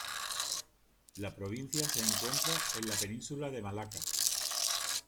La provincia se encuentra en la península de Malaca.